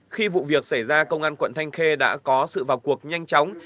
khi vụ việc xảy ra công an quận thanh khê đã có sự vào cuộc nhanh chóng